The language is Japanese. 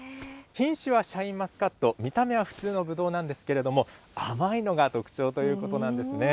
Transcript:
品種はシャインマスカット、見た目は普通のぶどうなんですけれども、甘いのが特徴ということなんですね。